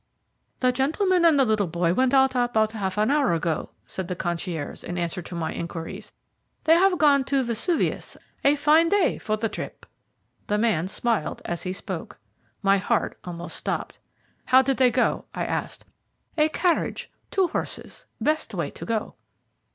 "The gentleman and the little boy went out about half an hour ago," said the concierge, in answer to my inquiries. "They have gone to Vesuvius a fine day for the trip." The man smiled as he spoke. My heart almost stopped. "How did they go?" I asked. "A carriage, two horses best way to go."